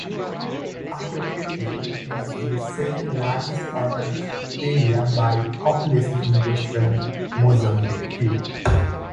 After Tete, it is the second largest urban area, by population, in western Mozambique.